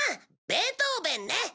ベートーベンね。